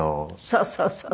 そうそうそうそう。